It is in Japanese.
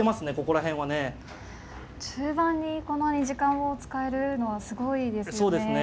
中盤にこんなに時間を使えるのはすごいですよね。